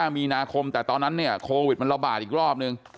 ๒๕มีนาคมแต่ตอนนั้นโควิดมันระบาดอีกรอบหนึ่ง